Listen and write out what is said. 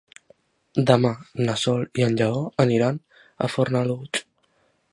Demà na Sol i en Lleó aniran a Fornalutx.